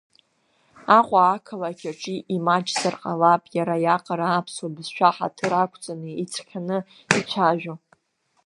Аҟәа ақалақь аҿы имаҷзар ҟалап иара иаҟара аԥсуа бызшәа ҳаҭыр ақәҵаны, ицқьаны ицәажәо.